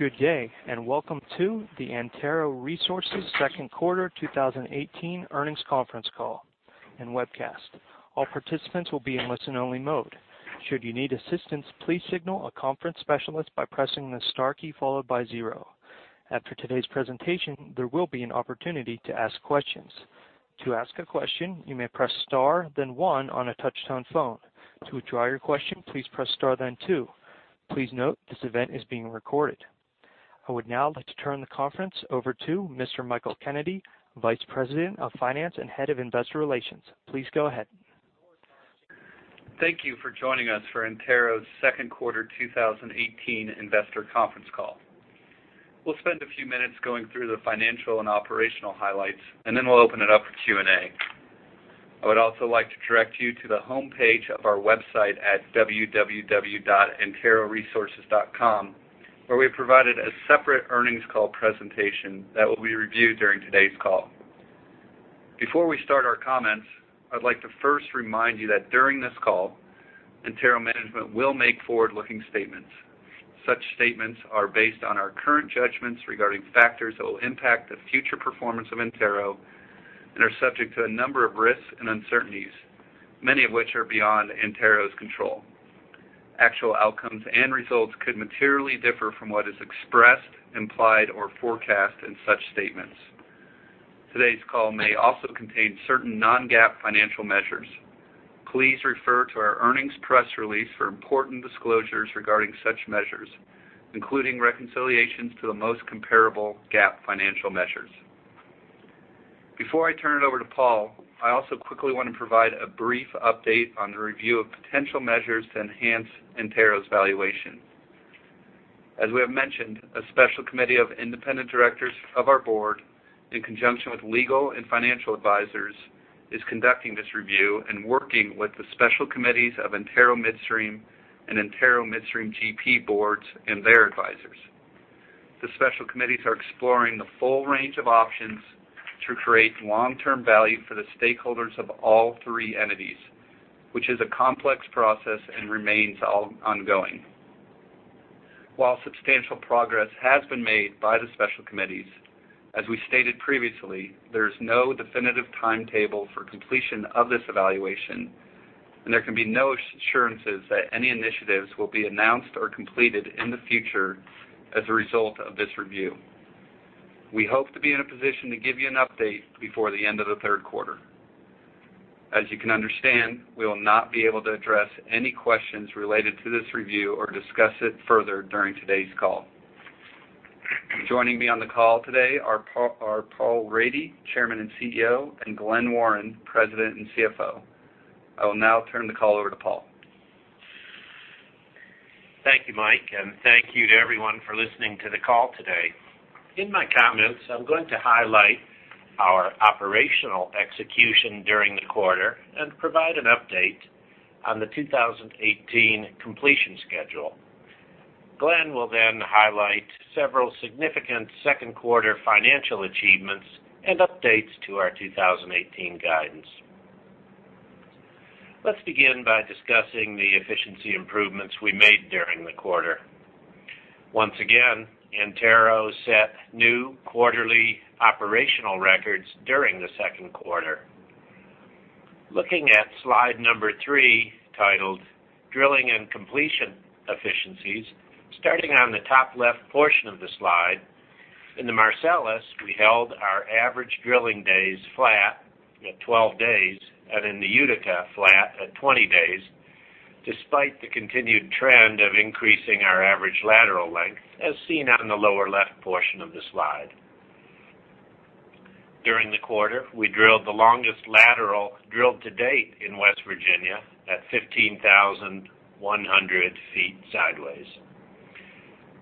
Good day, and welcome to the Antero Resources second quarter 2018 earnings conference call and webcast. All participants will be in listen only mode. Should you need assistance, please signal a conference specialist by pressing the star key followed by zero. After today's presentation, there will be an opportunity to ask questions. To ask a question, you may press star then one on a touch-tone phone. To withdraw your question, please press star then two. Please note, this event is being recorded. I would now like to turn the conference over to Mr. Michael Kennedy, Vice President of Finance and Head of Investor Relations. Please go ahead. Thank you for joining us for Antero's second quarter 2018 investor conference call. We'll spend a few minutes going through the financial and operational highlights, and then we'll open it up for Q&A. I would also like to direct you to the homepage of our website at www.anteroresources.com, where we have provided a separate earnings call presentation that will be reviewed during today's call. Before we start our comments, I'd like to first remind you that during this call, Antero management will make forward-looking statements. Such statements are based on our current judgments regarding factors that will impact the future performance of Antero and are subject to a number of risks and uncertainties, many of which are beyond Antero's control. Actual outcomes and results could materially differ from what is expressed, implied, or forecast in such statements. Today's call may also contain certain non-GAAP financial measures. Please refer to our earnings press release for important disclosures regarding such measures, including reconciliations to the most comparable GAAP financial measures. Before I turn it over to Paul, I also quickly want to provide a brief update on the review of potential measures to enhance Antero's valuation. As we have mentioned, a special committee of independent directors of our board, in conjunction with legal and financial advisors, is conducting this review and working with the special committees of Antero Midstream and Antero Midstream GP boards and their advisors. The special committees are exploring the full range of options to create long-term value for the stakeholders of all three entities, which is a complex process and remains ongoing. While substantial progress has been made by the special committees, as we stated previously, there's no definitive timetable for completion of this evaluation. There can be no assurances that any initiatives will be announced or completed in the future as a result of this review. We hope to be in a position to give you an update before the end of the third quarter. As you can understand, we will not be able to address any questions related to this review or discuss it further during today's call. Joining me on the call today are Paul Rady, Chairman and CEO, and Glen Warren, President and CFO. I will now turn the call over to Paul. Thank you, Mike, and thank you to everyone for listening to the call today. In my comments, I'm going to highlight our operational execution during the quarter and provide an update on the 2018 completion schedule. Glen will highlight several significant second quarter financial achievements and updates to our 2018 guidance. Let's begin by discussing the efficiency improvements we made during the quarter. Once again, Antero set new quarterly operational records during the second quarter. Looking at slide number three, titled Drilling and Completion Efficiencies, starting on the top left portion of the slide, in the Marcellus, we held our average drilling days flat at 12 days, and in the Utica, flat at 20 days, despite the continued trend of increasing our average lateral length, as seen on the lower left portion of the slide. During the quarter, we drilled the longest lateral drilled to date in West Virginia at 15,100 feet sideways.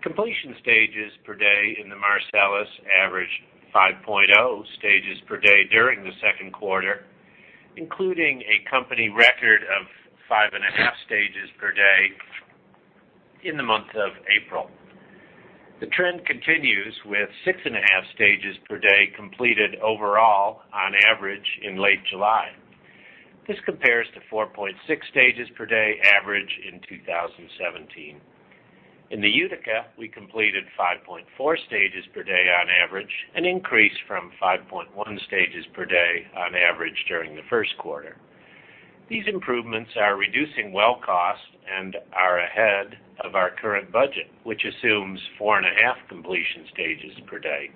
Completion stages per day in the Marcellus averaged 5.0 stages per day during the second quarter, including a company record of 5.5 stages per day in the month of April. The trend continues with 6.5 stages per day completed overall on average in late July. This compares to 4.6 stages per day average in 2017. In the Utica, we completed 5.4 stages per day on average, an increase from 5.1 stages per day on average during the first quarter. These improvements are reducing well cost and are ahead of our current budget, which assumes 4.5 completion stages per day.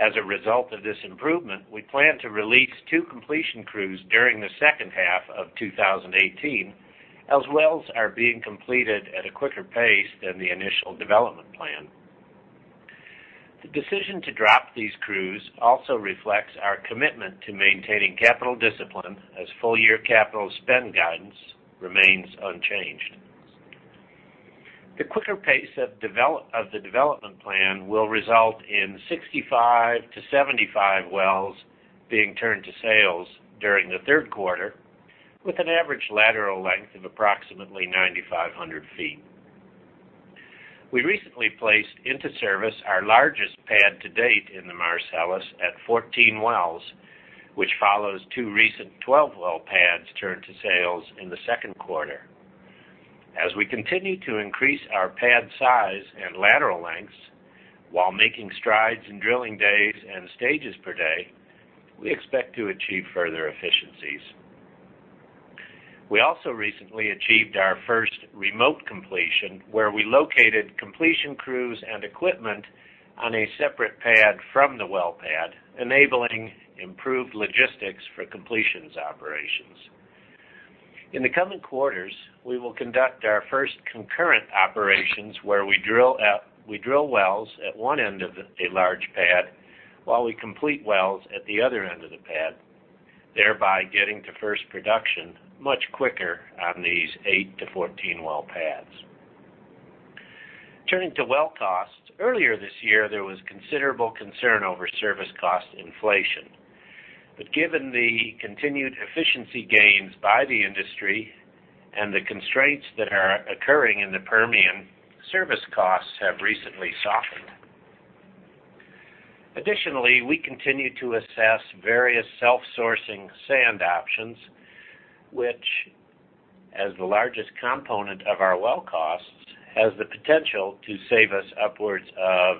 As a result of this improvement, we plan to release two completion crews during the second half of 2018, as wells are being completed at a quicker pace than the initial development plan. The decision to drop these crews also reflects our commitment to maintaining capital discipline, as full-year capital spend guidance remains unchanged. The quicker pace of the development plan will result in 65-75 wells being turned to sales during the third quarter, with an average lateral length of approximately 9,500 feet. We recently placed into service our largest pad to date in the Marcellus at 14 wells which follows two recent 12-well pads turned to sales in the second quarter. As we continue to increase our pad size and lateral lengths, while making strides in drilling days and stages per day, we expect to achieve further efficiencies. We also recently achieved our first remote completion, where we located completion crews and equipment on a separate pad from the well pad, enabling improved logistics for completions operations. In the coming quarters, we will conduct our first concurrent operations where we drill wells at one end of a large pad while we complete wells at the other end of the pad, thereby getting to first production much quicker on these eight-14 well pads. Turning to well costs, earlier this year there was considerable concern over service cost inflation. Given the continued efficiency gains by the industry and the constraints that are occurring in the Permian, service costs have recently softened. Additionally, we continue to assess various self-sourcing sand options, which, as the largest component of our well costs, has the potential to save us upwards of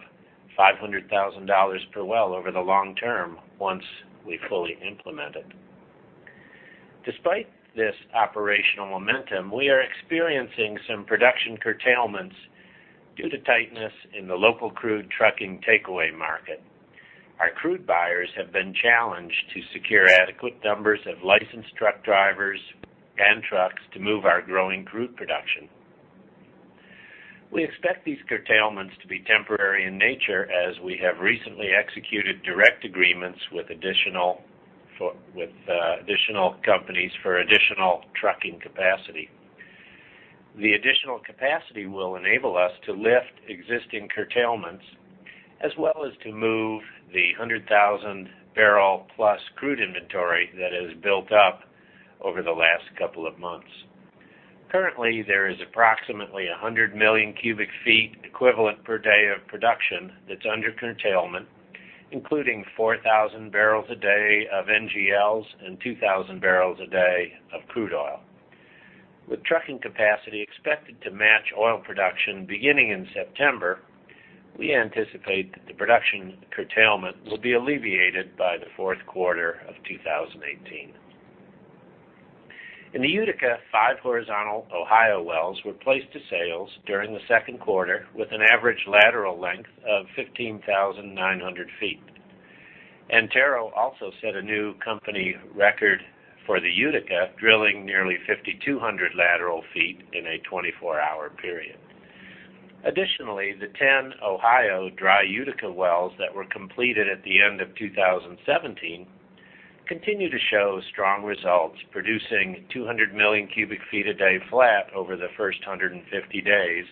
$500,000 per well over the long term once we fully implement it. Despite this operational momentum, we are experiencing some production curtailments due to tightness in the local crude trucking takeaway market. Our crude buyers have been challenged to secure adequate numbers of licensed truck drivers and trucks to move our growing crude production. We expect these curtailments to be temporary in nature, as we have recently executed direct agreements with additional companies for additional trucking capacity. The additional capacity will enable us to lift existing curtailments, as well as to move the 100,000-barrel plus crude inventory that has built up over the last couple of months. Currently, there is approximately 100 million cubic feet equivalent per day of production that's under curtailment, including 4,000 barrels a day of NGLs and 2,000 barrels a day of crude oil. With trucking capacity expected to match oil production beginning in September, we anticipate that the production curtailment will be alleviated by the fourth quarter of 2018. In the Utica, five horizontal Ohio wells were placed to sales during the second quarter with an average lateral length of 15,900 feet. Antero also set a new company record for the Utica, drilling nearly 5,200 lateral feet in a 24-hour period. Additionally, the 10 Ohio dry Utica wells that were completed at the end of 2017 continue to show strong results, producing 200 million cubic feet a day flat over the first 150 days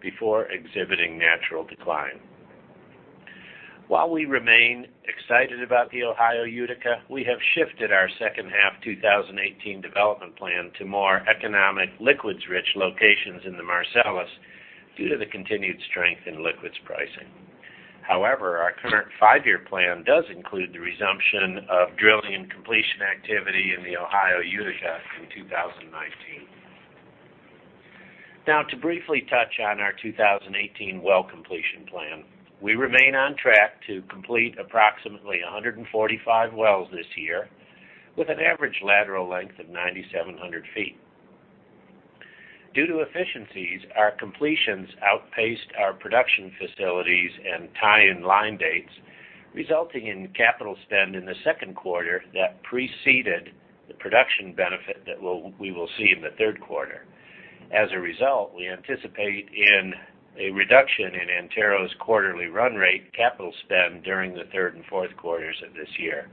before exhibiting natural decline. While we remain excited about the Ohio Utica, we have shifted our second half 2018 development plan to more economic liquids-rich locations in the Marcellus due to the continued strength in liquids pricing. Our current five-year plan does include the resumption of drilling and completion activity in the Ohio Utica in 2019. To briefly touch on our 2018 well completion plan. We remain on track to complete approximately 145 wells this year, with an average lateral length of 9,700 feet. Due to efficiencies, our completions outpaced our production facilities and tie-in line dates, resulting in capital spend in the second quarter that preceded the production benefit that we will see in the third quarter. As a result, we anticipate a reduction in Antero's quarterly run rate capital spend during the third and fourth quarters of this year.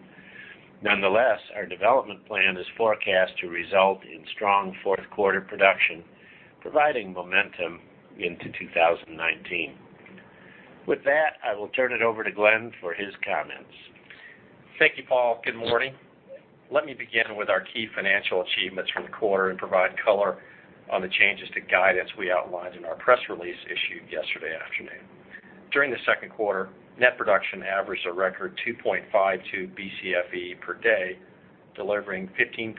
Nonetheless, our development plan is forecast to result in strong fourth quarter production, providing momentum into 2019. With that, I will turn it over to Glenn for his comments. Thank you, Paul. Good morning. Let me begin with our key financial achievements from the quarter and provide color on the changes to guidance we outlined in our press release issued yesterday afternoon. During the second quarter, net production averaged a record 2.52 Bcfe per day, delivering 15%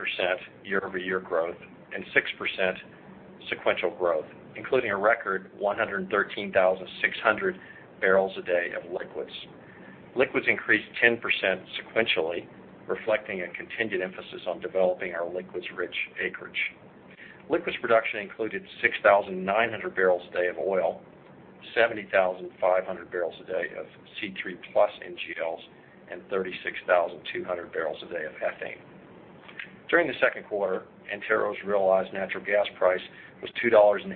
year-over-year growth and 6% sequential growth, including a record 113,600 barrels a day of liquids. Liquids increased 10% sequentially, reflecting a continued emphasis on developing our liquids-rich acreage. Liquids production included 6,900 barrels a day of oil, 70,500 barrels a day of C3+ NGLs, and 36,200 barrels a day of ethane. During the second quarter, Antero's realized natural gas price was $2.83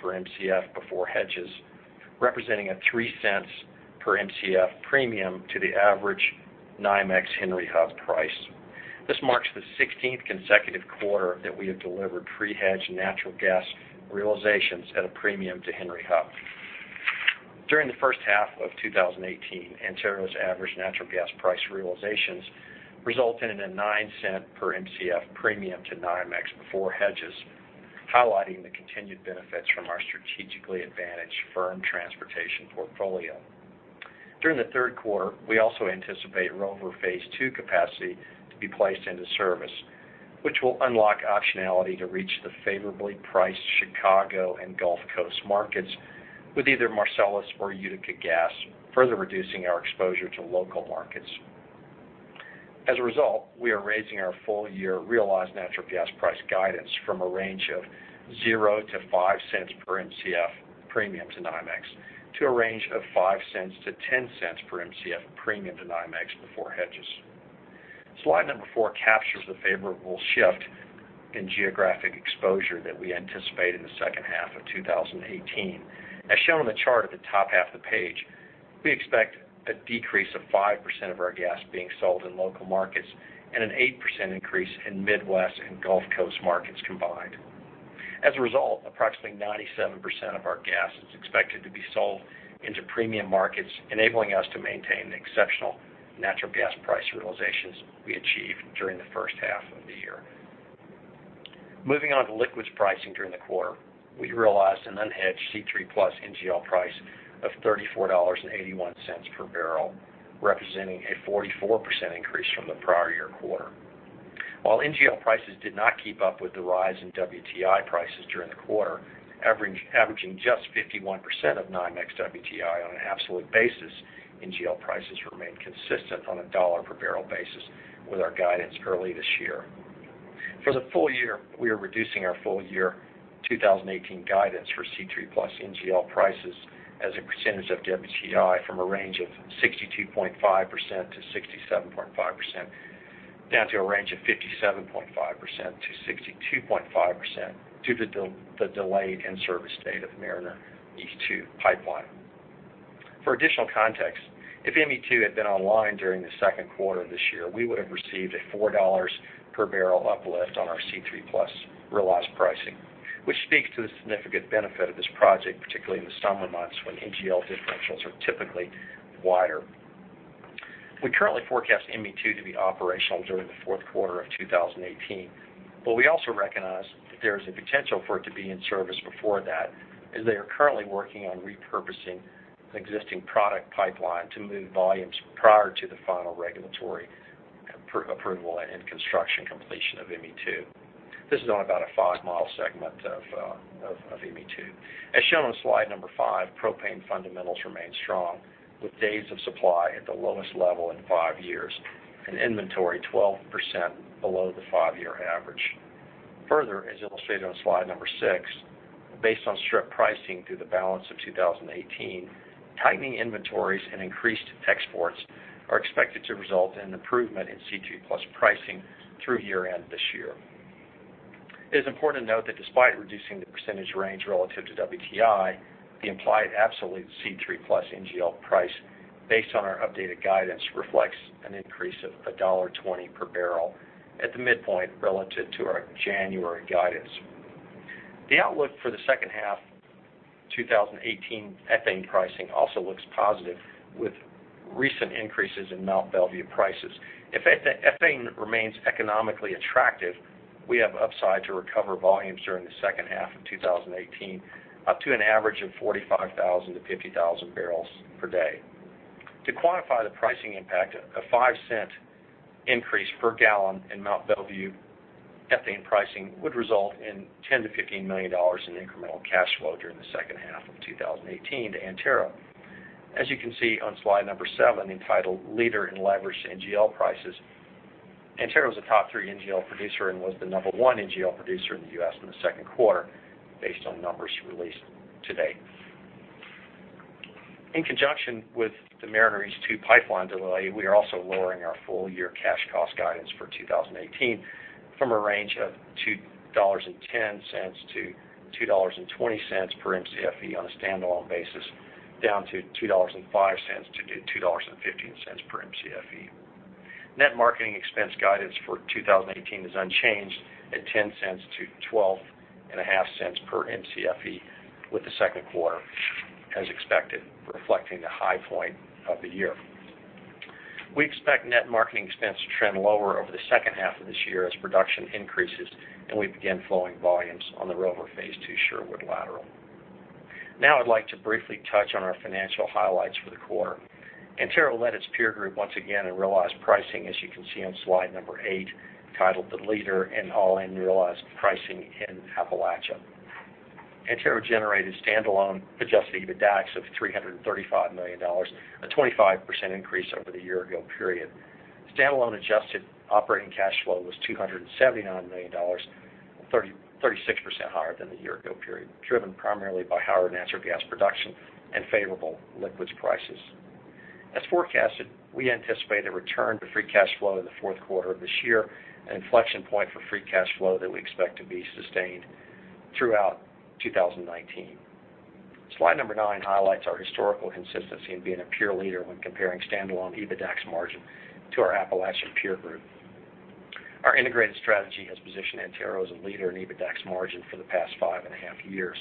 per Mcf before hedges, representing a $0.03 per Mcf premium to the average NYMEX Henry Hub price. This marks the 16th consecutive quarter that we have delivered pre-hedged natural gas realizations at a premium to Henry Hub. During the first half of 2018, Antero's average natural gas price realizations resulted in a $0.09 per Mcf premium to NYMEX before hedges. Highlighting the continued benefits from our strategically advantaged firm transportation portfolio. During the third quarter, we also anticipate Rover Phase Two capacity to be placed into service, which will unlock optionality to reach the favorably priced Chicago and Gulf Coast markets with either Marcellus or Utica Gas, further reducing our exposure to local markets. As a result, we are raising our full-year realized natural gas price guidance from a range of $0.00-$0.05 per Mcf premium to NYMEX to a range of $0.05-$0.10 per Mcf premium to NYMEX before hedges. Slide number four captures the favorable shift in geographic exposure that we anticipate in the second half of 2018. As shown on the chart at the top half of the page, we expect a decrease of 5% of our gas being sold in local markets and an 8% increase in Midwest and Gulf Coast markets combined. As a result, approximately 97% of our gas is expected to be sold into premium markets, enabling us to maintain the exceptional natural gas price realizations we achieved during the first half of the year. Moving on to liquids pricing during the quarter. We realized an unhedged C3+ NGL price of $34.81 per barrel, representing a 44% increase from the prior year quarter. While NGL prices did not keep up with the rise in WTI prices during the quarter, averaging just 51% of NYMEX WTI on an absolute basis, NGL prices remained consistent on a dollar-per-barrel basis with our guidance early this year. For the full-year, we are reducing our full-year 2018 guidance for C3+ NGL prices as a percentage of WTI from a range of 62.5%-67.5% down to a range of 57.5%-62.5% due to the delayed in-service date of Mariner East 2 pipeline. For additional context, if ME2 had been online during the second quarter of this year, we would have received a $4 per barrel uplift on our C3+ realized pricing, which speaks to the significant benefit of this project, particularly in the summer months when NGL differentials are typically wider. We currently forecast ME2 to be operational during the fourth quarter of 2018. We also recognize that there is a potential for it to be in service before that, as they are currently working on repurposing existing product pipeline to move volumes prior to the final regulatory approval and construction completion of ME2. This is only about a five-mile segment of ME2. As shown on slide number five, propane fundamentals remain strong with days of supply at the lowest level in five years and inventory 12% below the five-year average. Further, as illustrated on slide number six, based on strip pricing through the balance of 2018, tightening inventories and increased exports are expected to result in improvement in C2+ pricing through year-end this year. It is important to note that despite reducing the percentage range relative to WTI, the implied absolute C3+ NGL price based on our updated guidance reflects an increase of $1.20 per barrel at the midpoint relative to our January guidance. The outlook for the second half 2018 ethane pricing also looks positive with recent increases in Mont Belvieu prices. If ethane remains economically attractive, we have upside to recover volumes during the second half of 2018, up to an average of 45,000-50,000 barrels per day. To quantify the pricing impact, a $0.05 increase per gallon in Mont Belvieu ethane pricing would result in $10 million-$15 million in incremental cash flow during the second half of 2018 to Antero. As you can see on slide number seven, entitled "Leader in Leveraged NGL Prices," Antero is a top three NGL producer and was the number one NGL producer in the U.S. in the second quarter based on numbers released to date. In conjunction with the Mariner East 2 pipeline delay, we are also lowering our full-year cash cost guidance for 2018 from a range of $2.10-$2.20 per Mcfe on a standalone basis down to $2.05-$2.15 per Mcfe. Net marketing expense guidance for 2018 is unchanged at $0.10-$0.125 per Mcfe, with the second quarter as expected, reflecting the high point of the year. We expect net marketing expense to trend lower over the second half of this year as production increases and we begin flowing volumes on the Rover Phase Two Sherwood Lateral. Now I'd like to briefly touch on our financial highlights for the quarter. Antero led its peer group once again in realized pricing, as you can see on slide number eight, titled "The Leader in All-in Realized Pricing in Appalachia." Antero generated standalone adjusted EBITDAX of $335 million, a 25% increase over the year-ago period. Standalone adjusted operating cash flow was $279 million, 36% higher than the year-ago period, driven primarily by higher natural gas production and favorable liquids prices. As forecasted, we anticipate a return to free cash flow in the fourth quarter of this year, an inflection point for free cash flow that we expect to be sustained throughout 2019. Slide number nine highlights our historical consistency in being a peer leader when comparing standalone EBITDAX margin to our Appalachian peer group. Our integrated strategy has positioned Antero as a leader in EBITDAX margin for the past five half years.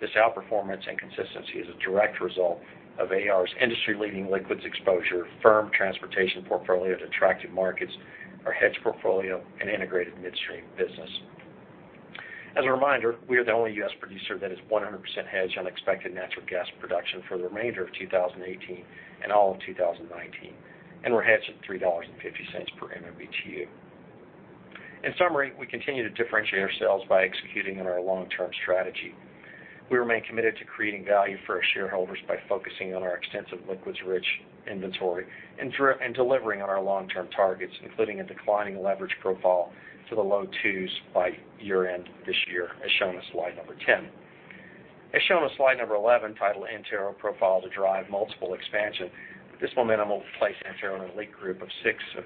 This outperformance and consistency is a direct result of AR's industry-leading liquids exposure, firm transportation portfolio to attractive markets, our hedge portfolio, and integrated midstream business. As a reminder, we are the only U.S. producer that is 100% hedged on expected natural gas production for the remainder of 2018 and all of 2019, and we're hedged at $3.50 per MMBtu. In summary, we continue to differentiate ourselves by executing on our long-term strategy. We remain committed to creating value for our shareholders by focusing on our extensive liquids-rich inventory and delivering on our long-term targets, including a declining leverage profile to the low twos by year-end this year, as shown on slide number 10. As shown on slide number 11, titled Antero Profile to Drive Multiple Expansion, this momentum will place Antero in an elite group of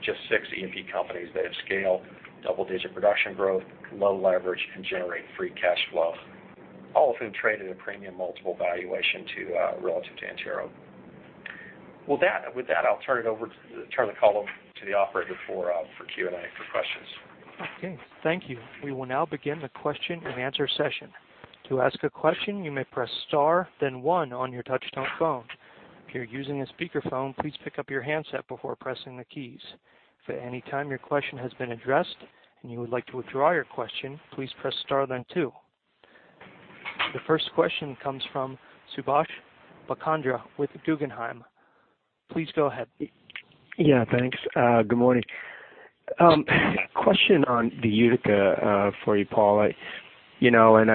just six E&P companies that have scale, double-digit production growth, low leverage, and generate free cash flow, all of whom trade at a premium multiple valuation relative to Antero. With that, I'll turn the call over to the operator for Q&A, for questions. Okay, thank you. We will now begin the question and answer session. To ask a question, you may press star then one on your touchtone phone. If you're using a speakerphone, please pick up your handset before pressing the keys. If at any time your question has been addressed and you would like to withdraw your question, please press star then two. The first question comes from Subash Chandra with Guggenheim. Please go ahead. Yeah, thanks. Good morning. Question on the Utica for you, Paul. I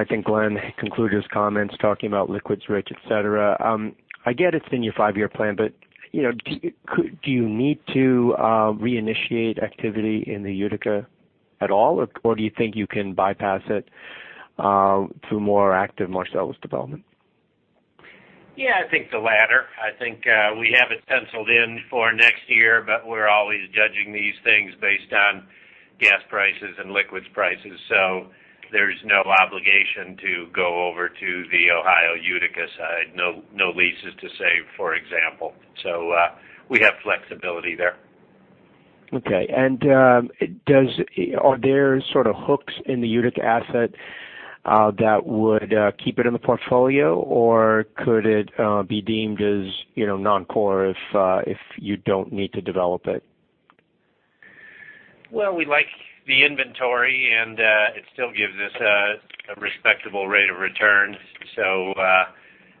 think Glenn concluded his comments talking about liquids rich, et cetera. I get it's in your five-year plan, do you need to reinitiate activity in the Utica at all? Or do you think you can bypass it through more active Marcellus development? Yeah, I think the latter. I think we have it penciled in for next year, but we're always judging these things based on gas prices and liquids prices. There's no obligation to go over to the Ohio Utica side. No leases to save, for example. We have flexibility there. Okay. Are there sort of hooks in the Utica asset that would keep it in the portfolio, or could it be deemed as non-core if you don't need to develop it? Well, we like the inventory, and it still gives us a respectable rate of return.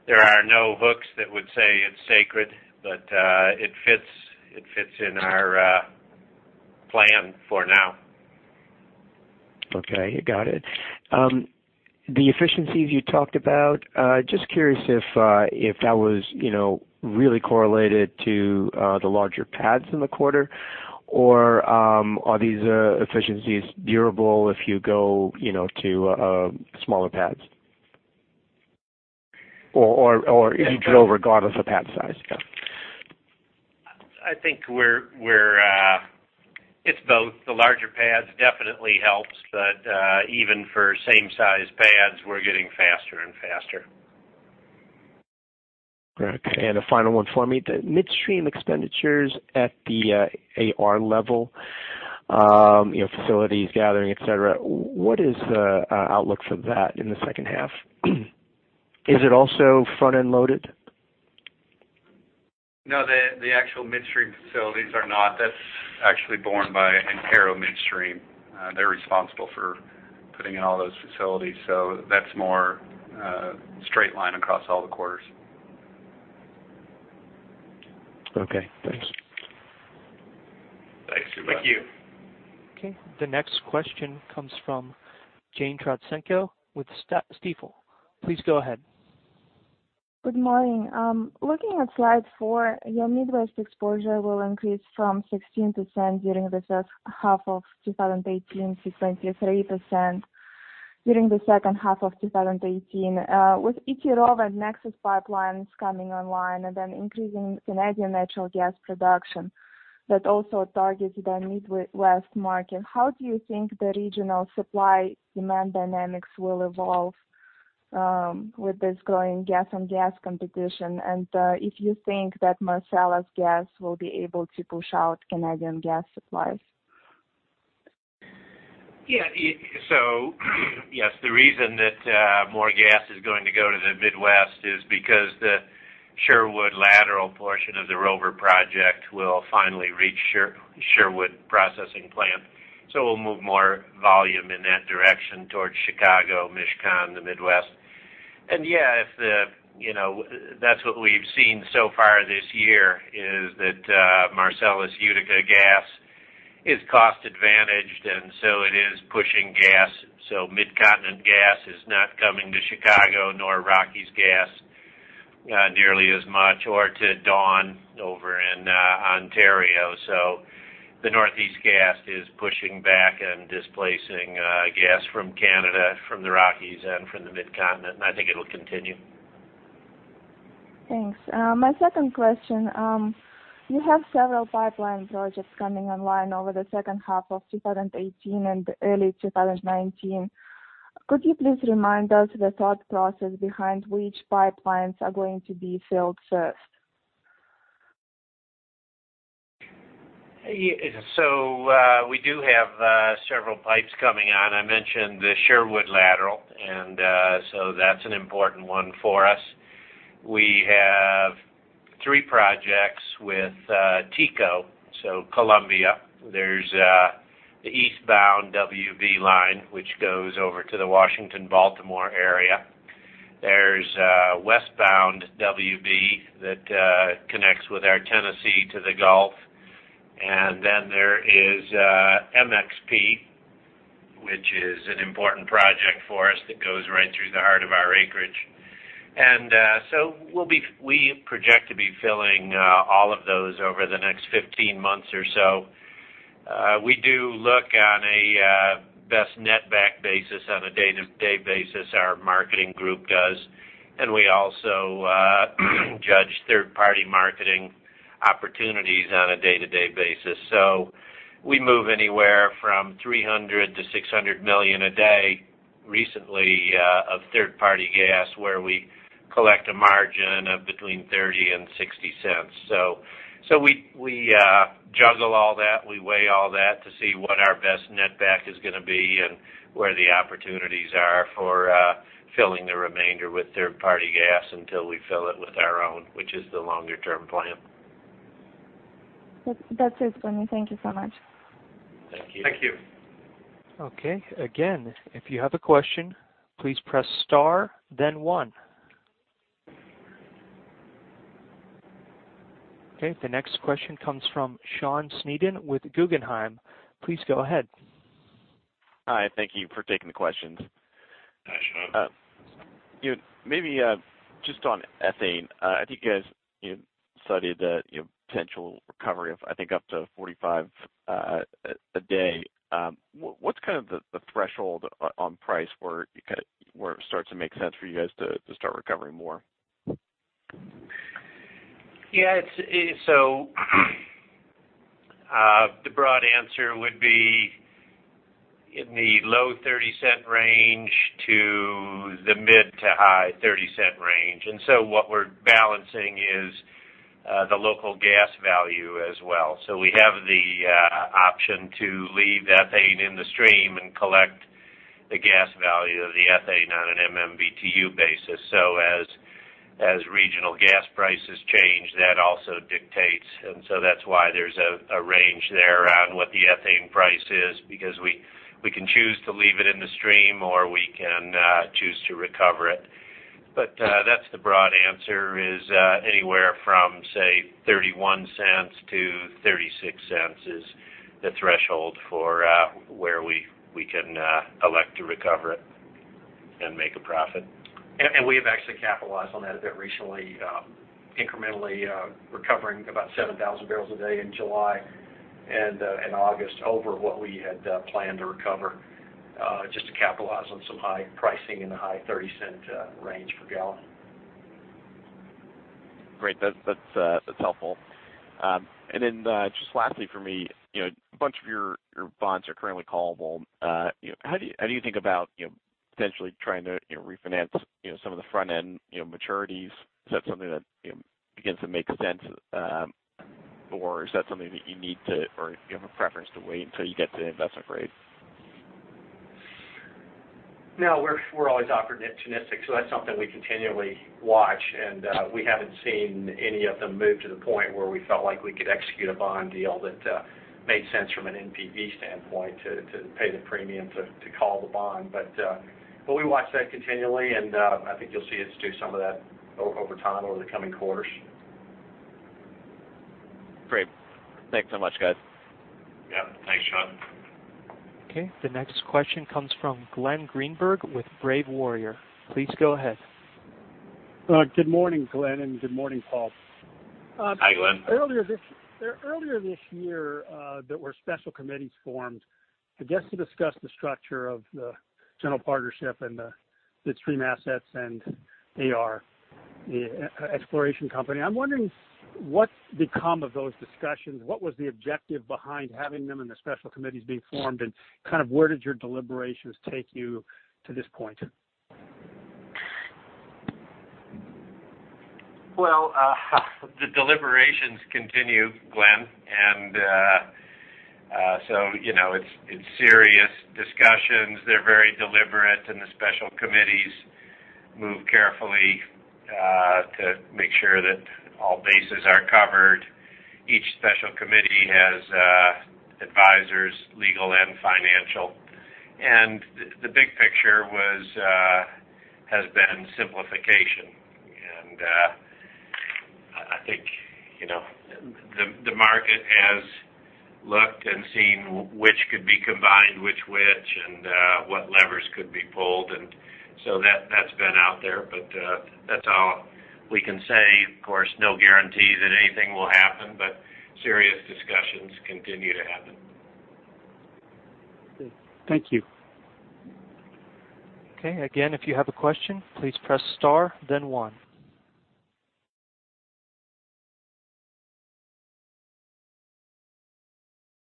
There are no hooks that would say it's sacred, but it fits in our plan for now. Okay, got it. The efficiencies you talked about, just curious if that was really correlated to the larger pads in the quarter, or are these efficiencies durable if you go to smaller pads? If you drill regardless of pad size? I think it's both. The larger pads definitely helps, but even for same size pads, we're getting faster and faster. Correct. A final one for me. The midstream expenditures at the AR level, facilities, gathering, et cetera, what is the outlook for that in the second half? Is it also front-end loaded? No, the actual midstream facilities are not. That's actually borne by Antero Midstream. They're responsible for putting in all those facilities. That's more straight line across all the quarters. Okay, thanks. Thanks, Subash. Thank you. Okay, the next question comes from Jane Trotsenko with Stifel. Please go ahead. Good morning. Looking at slide four, your Midwest exposure will increase from 16% during the first half of 2018 to 23% during the second half of 2018. With each Rover and Nexus pipelines coming online and then increasing Canadian natural gas production that also targets the Midwest market, how do you think the regional supply-demand dynamics will evolve with this growing gas competition? If you think that Marcellus gas will be able to push out Canadian gas supplies? Yeah. Yes, the reason that more gas is going to go to the Midwest is because the Sherwood Lateral portion of the Rover project will finally reach Sherwood processing plant. We'll move more volume in that direction towards Chicago, MichCon, the Midwest. Yeah, that's what we've seen so far this year, is that Marcellus Utica gas is cost-advantaged, it is pushing gas. Midcontinent gas is not coming to Chicago, nor Rockies gas nearly as much, or to Dawn over in Ontario. The Northeast gas is pushing back and displacing gas from Canada, from the Rockies, and from the Midcontinent, I think it'll continue. Thanks. My second question. You have several pipeline projects coming online over the second half of 2018 and early 2019. Could you please remind us the thought process behind which pipelines are going to be filled first? We do have several pipes coming on. I mentioned the Sherwood Lateral, that's an important one for us. We have three projects with TECO, Columbia. There's the eastbound WV line, which goes over to the Washington-Baltimore area. There's westbound WV that connects with our Tennessee to the Gulf. Then there is MXP, which is an important project for us that goes right through the heart of our acreage. We project to be filling all of those over the next 15 months or so. We do look on a best net back basis on a day-to-day basis, our marketing group does. We also judge third-party marketing opportunities on a day-to-day basis. We move anywhere from 300 to 600 million a day, recently, of third-party gas, where we collect a margin of between $0.30 and $0.60. We juggle all that, we weigh all that to see what our best net back is going to be and where the opportunities are for filling the remainder with third-party gas until we fill it with our own, which is the longer-term plan. That's it for me. Thank you so much. Thank you. Thank you. Okay, again, if you have a question, please press star, then one. Okay, the next question comes from Sean Sneeden with Guggenheim. Please go ahead. Hi, thank you for taking the questions. Hi, Sean. Maybe just on ethane. I think you guys studied the potential recovery of, I think, up to 45 a day. What's the threshold on price where it starts to make sense for you guys to start recovering more? Yeah. The broad answer would be in the low $0.30 range to the mid to high $0.30 range. What we're balancing is the local gas value as well. We have the option to leave the ethane in the stream and collect the gas value of the ethane on an MMBtu basis. As regional gas prices change, that also dictates. That's why there's a range there around what the ethane price is, because we can choose to leave it in the stream, or we can choose to recover it. That's the broad answer, is anywhere from, say, $0.31-$0.36 is the threshold for where we can elect to recover it and make a profit. We have actually capitalized on that a bit recently, incrementally recovering about 7,000 barrels a day in July and in August over what we had planned to recover, just to capitalize on some high pricing in the high $0.30 range per gallon. Great. That's helpful. Just lastly for me, a bunch of your bonds are currently callable. How do you think about potentially trying to refinance some of the front-end maturities? Is that something that begins to make sense? Or is that something that you need to or you have a preference to wait until you get to investment grade? No, we're always opportunistic, that's something we continually watch, we haven't seen any of them move to the point where we felt like we could execute a bond deal that made sense from an NPV standpoint to pay the premium to call the bond. We watch that continually, and I think you'll see us do some of that over time over the coming quarters. Great. Thanks so much, guys. Yeah. Thanks, Sean. Okay, the next question comes from Glenn Greenberg with Brave Warrior. Please go ahead. Good morning, Glenn, and good morning, Paul. Hi, Glenn. Earlier this year, there were special committees formed, I guess, to discuss the structure of the general partnership and the stream assets and AR exploration company. I'm wondering what's become of those discussions. What was the objective behind having them and the special committees being formed, and where did your deliberations take you to this point? Well, the deliberations continue, Glenn. It's serious discussions. They're very deliberate, and the special committees move carefully to make sure that all bases are covered. Each special committee has advisors, legal and financial. The big picture has been simplification. I think the market has looked and seen which could be combined with which, and what levers could be pulled, and so that's been out there, but that's all we can say. Of course, no guarantee that anything will happen. Serious discussions continue to happen. Good. Thank you. Okay. Again, if you have a question, please press star, then one.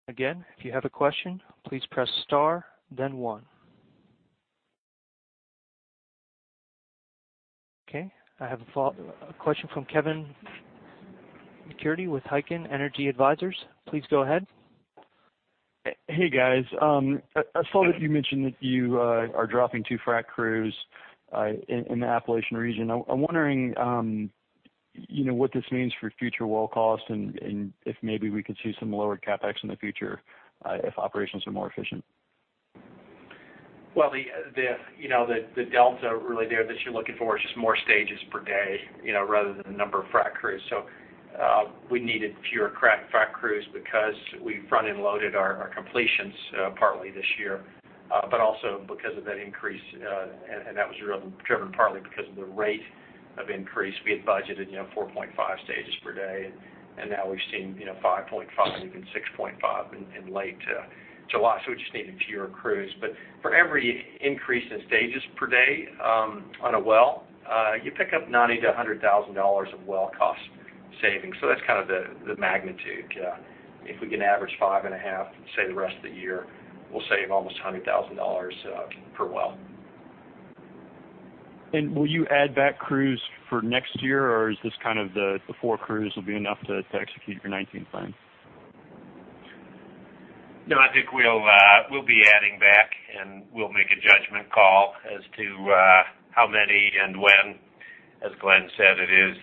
Again, if you have a question, please press star, then one. Okay. I have a question from Kevin MacCurdy with Heikkinen Energy Advisors. Please go ahead. Hey, guys. I saw that you mentioned that you are dropping two frac crews in the Appalachian region. I'm wondering what this means for future well costs and if maybe we could see some lower CapEx in the future if operations are more efficient. Well, the delta really there that you're looking for is just more stages per day, rather than the number of frac crews. We needed fewer frac crews because we front-end loaded our completions partly this year. Also because of that increase, that was really driven partly because of the rate of increase. We had budgeted 4.5 stages per day, and now we've seen 5.5 and even 6.5 in late July. We just needed fewer crews. For every increase in stages per day on a well, you pick up $90,000-$100,000 of well cost savings. That's the magnitude. If we can average 5.5, say, the rest of the year, we'll save almost $100,000 per well. Will you add back crews for next year, or is this the four crews will be enough to execute your 2019 plan? No, I think we'll be adding back, and we'll make a judgment call as to how many and when. As Glenn said, it is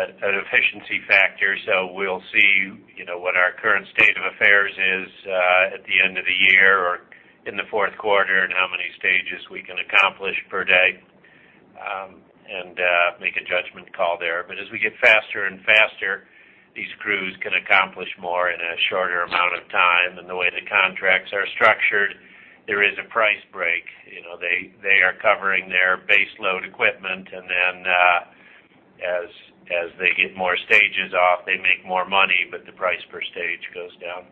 an efficiency factor, we'll see what our current state of affairs is at the end of the year or in the fourth quarter and how many stages we can accomplish per day, and make a judgment call there. As we get faster and faster, these crews can accomplish more in a shorter amount of time. The way the contracts are structured, there is a price break. They are covering their base load equipment, as they get more stages off, they make more money, the price per stage goes down.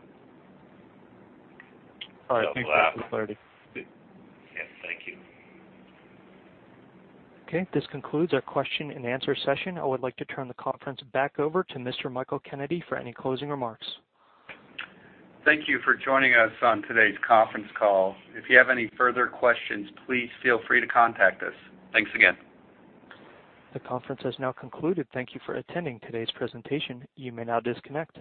All right. Thanks for the clarity. Yeah. Thank you. Okay, this concludes our question and answer session. I would like to turn the conference back over to Mr. Michael Kennedy for any closing remarks. Thank you for joining us on today's conference call. If you have any further questions, please feel free to contact us. Thanks again. The conference has now concluded. Thank you for attending today's presentation. You may now disconnect.